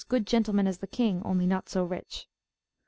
10]good gentlemen as the king, only not so rich.